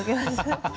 ハハハハ。